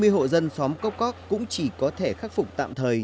hai mươi hộ dân xóm cốc cóc cũng chỉ có thể khắc phục tạm thời